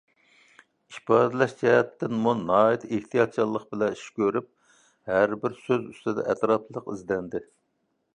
ئىپادىلەش جەھەتتىمۇ ناھايىتى ئېھتىياتچانلىق بىلەن ئىش كۆرۈپ، ھەربىر سۆز ئۈستىدە ئەتراپلىق ئىزدەندى.